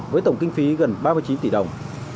với tổng kinh phí gần ba mươi chín tỷ đồng